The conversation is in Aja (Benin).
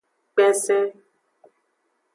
Kpensen.